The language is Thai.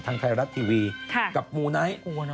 ทางไทยรัฐทีวีกับมูไนท์